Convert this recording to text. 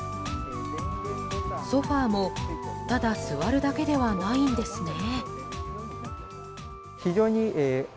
ソファもただ座るだけではないんですね。